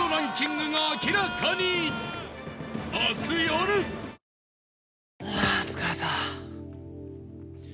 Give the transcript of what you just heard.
あ疲れた。